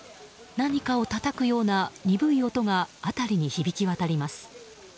何かをたたくような鈍い音が辺りに響き渡ります。